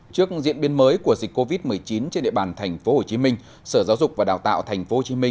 trước diễn biến mới của dịch covid một mươi chín trên địa bàn tp hcm sở giáo dục và đào tạo tp hcm